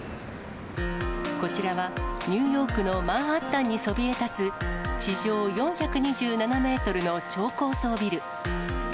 こちらは、ニューヨークのマンハッタンにそびえ立つ地上４２７メートルの超高層ビル。